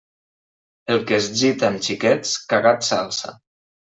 El que es gita amb xiquets, cagat s'alça.